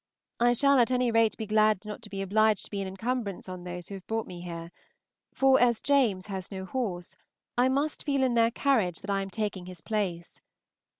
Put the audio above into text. I shall at any rate be glad not to be obliged to be an incumbrance on those who have brought me here, for, as James has no horse, I must feel in their carriage that I am taking his place.